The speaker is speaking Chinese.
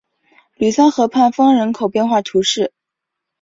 吕桑河畔丰人口变化图示